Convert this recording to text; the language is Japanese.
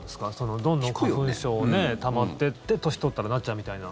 どんどん花粉症、たまってって年取ったらなっちゃうみたいな。